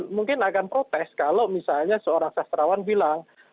mungkin akan protes kalau misalnya seorang sastrawan bilang